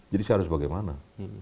jadi saya harus bagaimana